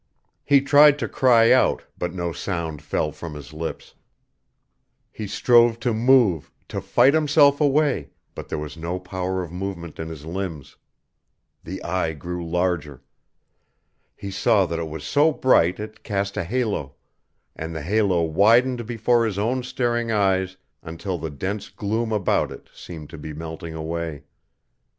He tried to cry out, but no sound fell from his lips; he strove to move, to fight himself away, but there was no power of movement in his limbs. The eye grew larger. He saw that it was so bright it cast a halo, and the halo widened before his own staring eyes until the dense gloom about it seemed to be melting away.